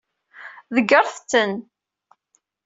Ḍeggṛet-ten.